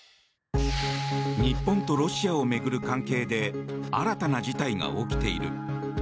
日本とロシアを巡る関係で新たな事態が起きている。